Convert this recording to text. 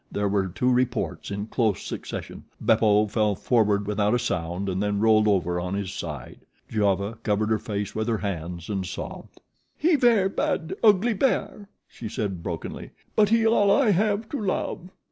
There were two reports in close succession. Beppo fell forward without a sound and then rolled over on his side. Giova covered her face with her hands and sobbed. "He ver' bad, ugly bear," she said brokenly; "but he all I have to love."